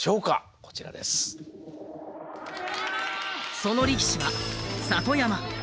その力士は里山。